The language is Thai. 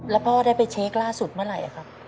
แล้วพ่อได้ไปเช็คล่าสุดเมื่อไหร่ครับ